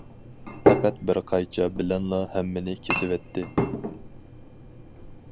پەقەت بىر قايچا بىلەنلا ھەممىنى كېسىۋەتتى.